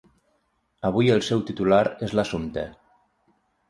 Avui el seu titular és l'Assumpta.